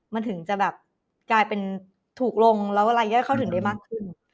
มันถึงจะแบบกลายเป็นถูกลงแล้วรายย่อยเข้าถึงได้มากขึ้น